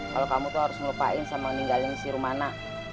kalau kamu tuh harus ngelupain sama ninggalin si rumana